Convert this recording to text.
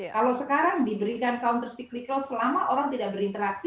kalau sekarang diberikan counter cyclical selama orang tidak berinteraksi